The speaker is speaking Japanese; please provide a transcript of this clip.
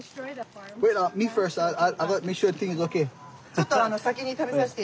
ちょっと先に食べさせて。